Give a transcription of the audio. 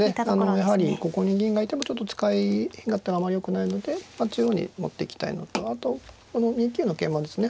やはりここに銀がいてもちょっと使い勝手があまりよくないので中央に持っていきたいのとあとこの２九の桂馬ですね。